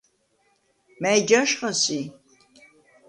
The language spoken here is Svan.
მა̈ჲ ჯაჟხა სი?